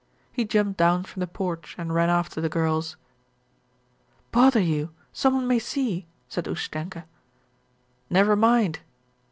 He jumped down from the porch and ran after the girls. 'Bother you, someone may see...' said Ustenka. 'Never mind!'